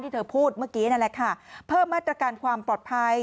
เธอพูดเมื่อกี้นั่นแหละค่ะเพิ่มมาตรการความปลอดภัย